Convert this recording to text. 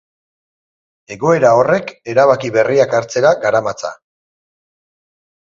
Egoera horrek erabaki berriak hartzera garamatza.